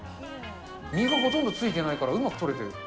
実がほとんどついてないから、うまく取れて。